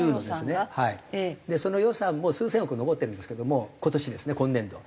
その予算も数千億残ってるんですけども今年ですね今年度。